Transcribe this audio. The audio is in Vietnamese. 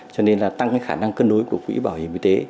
cho nên là tăng cái khả năng cân đối của quỹ bảo hiểm y tế